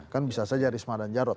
kan bisa saja risma dan jarod